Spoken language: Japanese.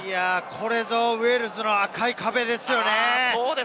これぞウェールズの赤い壁ですよね。